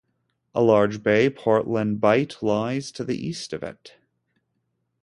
A large bay, Portland Bight, lies to the east of it.